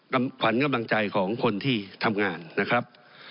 ขวัญกำลังใจของคนที่ทำงานนะครับ